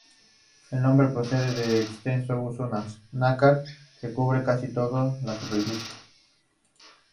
El nombre procede del extenso uso de nácar, que cubre casi toda su superficie.